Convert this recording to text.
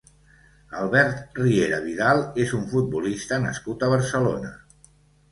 Albert Riera Vidal és un futbolista nascut a Barcelona.